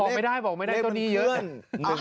บอกไม่ได้บอกไม่ได้ตัวนี้เยอะ